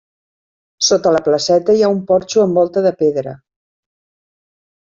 Sota la placeta hi ha un porxo amb volta de pedra.